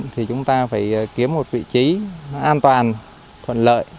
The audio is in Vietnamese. thì chúng ta phải kiếm một vị trí an toàn thuận lợi